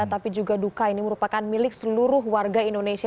tapi juga duka ini merupakan milik seluruh warga indonesia